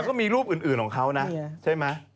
แต่ก็มีรูปอื่นของเขาน่ะใช่มั้ย